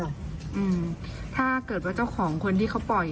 อืมถ้าเกิดว่าเจ้าของคนที่เขาปล่อย